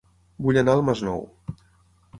Vull anar a El Masnou